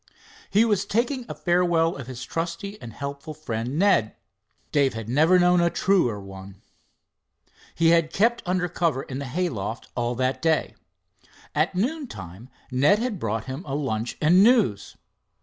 He was taking a farewell of his trusty and helpful friend, Ned. Dave had never known a truer one. He had kept under cover in the hayloft all that day. At noon time Ned had brought him a lunch and news.